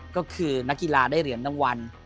ก็คือนักกีฬาได้เหรียญรางวัล